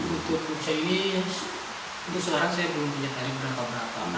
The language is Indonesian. untuk lukisan ini untuk seorang saya belum punya tanya berapa berapa